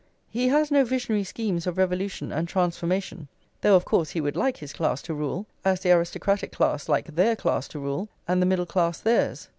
He has no visionary schemes of revolution and transformation, though of course he would like his class to rule, as the aristocratic class like their class to rule, and the middle class theirs.